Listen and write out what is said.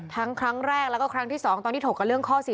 ครั้งแรกแล้วก็ครั้งที่๒ตอนที่ถกกับเรื่องข้อ๔